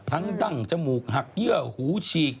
ดั้งจมูกหักเยื่อหูฉีก